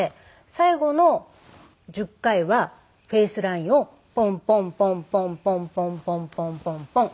最後の１０回はフェースラインをポンポンポンポンポンポンポンポンポンポン。